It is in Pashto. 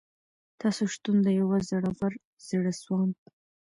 تاسو شتون د یوه زړور، زړه سواند